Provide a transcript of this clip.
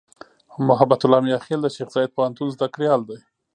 محبت الله "میاخېل" د شیخزاید پوهنتون زدهکړیال دی.